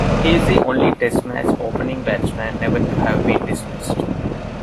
He is the only Test Match opening batsman never to have been dismissed.